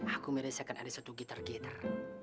aku merasakan ada satu gitar gitar